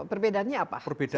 perbedaannya apa secara singkat